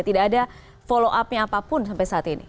tidak ada follow up nyapapun sampai saat ini